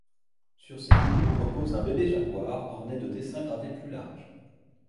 Sur ses genoux repose un bébé-jaguar orné de dessins gravés plus larges.